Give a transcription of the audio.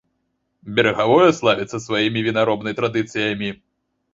Берагавое славіцца сваімі вінаробнай традыцыямі.